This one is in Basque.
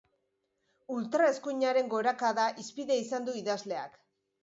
Ultraeskuinaren gorakada hizpide izan du idazleak.